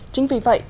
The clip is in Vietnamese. chính vì vậy